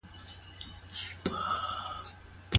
کوم شيان د کورني ژوند سکون خرابوي؟